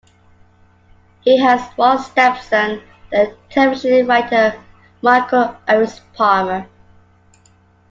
He has one stepson, the television writer Michael Oates Palmer.